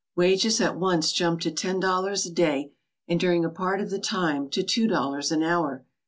Wages at once jumped to ten dollars a day, and during a part of the time to two dollars an hour.